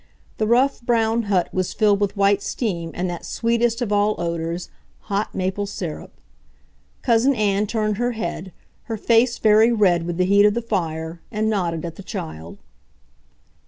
The rough, brown hut was filled with white steam and that sweetest of all odors, hot maple syrup. Cousin Ann turned her head, her face very red with the heat of the fire, and nodded at the child.